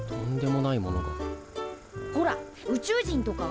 ほら宇宙人とか！